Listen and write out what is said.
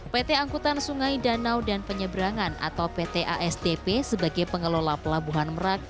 pt angkutan sungai danau dan penyeberangan atau pt asdp sebagai pengelola pelabuhan merak